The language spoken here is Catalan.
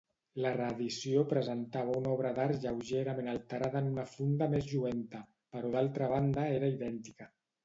La reedició presentava una obra d'art lleugerament alterada en una funda més lluenta, però d'altra banda era idèntica.